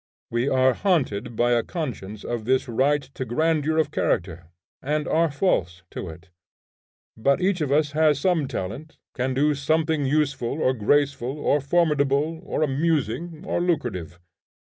We are haunted by a conscience of this right to grandeur of character, and are false to it. But each of us has some talent, can do somewhat useful, or graceful, or formidable, or amusing, or lucrative.